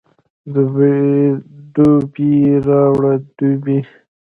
ډبې راوړه ډبې